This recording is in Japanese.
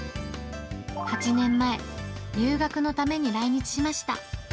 ８年前、留学のために来日しました。